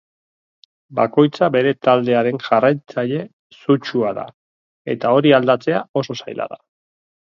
Bakoitza bere taldearen jarraitzaile sutsua da, eta hori aldatzea oso zaila da.